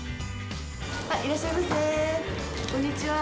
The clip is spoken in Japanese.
いらっしゃいませ。